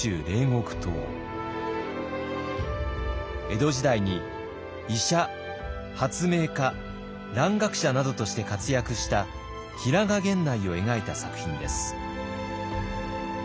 江戸時代に医者発明家蘭学者などとして活躍した平賀源内を描いた作品です。